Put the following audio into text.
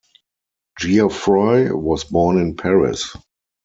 Geoffroy was born in Paris.